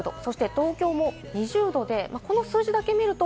東京も２０度でこの数字だけ見ると。